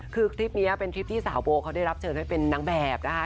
คือคลิปนี้เป็นคลิปที่สาวโบเขาได้รับเชิญให้เป็นนางแบบนะคะ